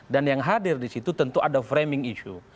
dan yang hadir disitu tentu ada framing issue